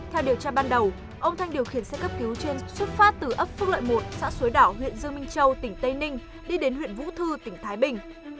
theo điều tra ban đầu ông thanh điều khiển xe cấp cứu trên xuất phát từ ấp phước lợi một xã suối đỏ huyện dương minh châu tỉnh tây ninh đi đến huyện vũ thư tỉnh thái bình